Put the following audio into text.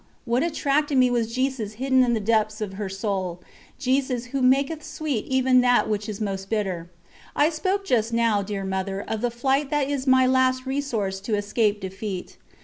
What attracted me was Jesus hidden in the depths of her soul Jesus who maketh sweet even that which is most bitter. I spoke just now, dear Mother, of the flight that is my last resource to escape defeat.